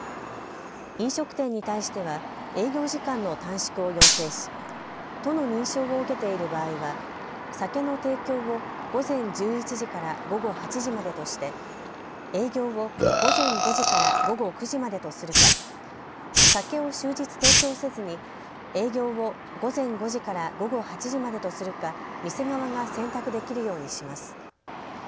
飲食店に対しては営業時間の短縮を要請し都の認証を受けている場合は酒の提供を午前１１時から午後８時までとして営業を午前５時から午後９時までとするか酒を終日提供せずに営業を午前５時から午後８時までとするか店側が選択できるようにします。